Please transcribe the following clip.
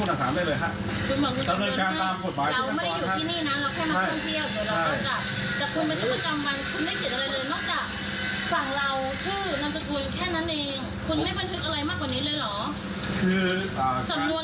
เดี๋ยวเราจะออกไปแน่นอน